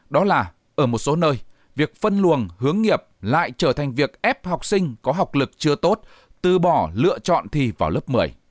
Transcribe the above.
đó là ở một số nơi việc phân luồng hướng nghiệp lại trở thành việc ép học sinh có học lực chưa tốt tư bỏ lựa chọn thi vào lớp một mươi